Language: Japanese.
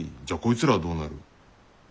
じゃあこいつらはどうなる？